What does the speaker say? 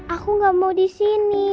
aku gak mau di sini